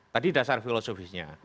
tadi dasar filosofisnya